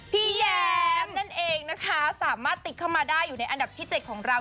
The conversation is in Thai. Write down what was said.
แย้มนั่นเองนะคะสามารถติดเข้ามาได้อยู่ในอันดับที่๗ของเรา